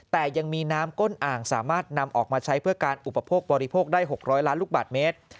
แต่ยังมีน้ำก้นอ่างสามารถนำออกมาใช้เพื่อการอุปโภคบริโภคได้๖๐๐ล้านลูกบาทเมตร